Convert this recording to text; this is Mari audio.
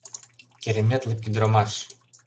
Кереметлык ӱдырамаш!..